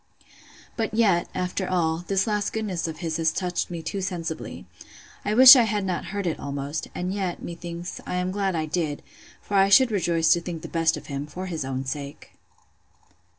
But yet, after all, this last goodness of his has touched me too sensibly. I wish I had not heard it, almost; and yet, methinks, I am glad I did; for I should rejoice to think the best of him, for his own sake.